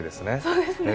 そうですね。